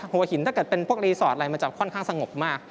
หัวหินถ้าเกิดเป็นพวกรีสอร์ทอะไรมันจะค่อนข้างสงบมาก